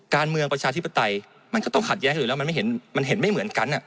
การเมืองประชาธิปไตยมันก็ต้องขัดแย้งกันอยู่แล้วมันเห็นไม่เหมือนกัน